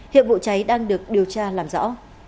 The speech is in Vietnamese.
hiệp vụ cháy đang được điều tra làm rõ